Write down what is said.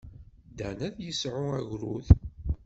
Dan ad d-yesɛu agrud.